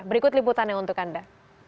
berikut liputannya untuk anda